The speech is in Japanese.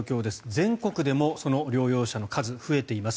全国でも、その療養者の数が増えています。